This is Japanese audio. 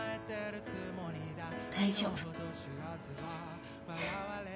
大丈夫。